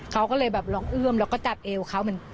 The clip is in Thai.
เขาก็เลยแบบลองเอื้อมแล้วก็จับเอวเขาเหมือน